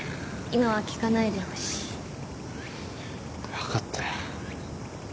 分かったよ。